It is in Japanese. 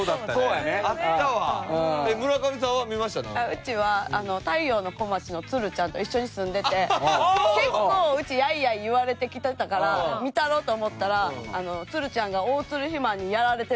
うちは太陽の小町のつるちゃんと一緒に住んでて結構うちやいやい言われてきてたから見たろと思ったらつるちゃんが大鶴肥満にやられていく。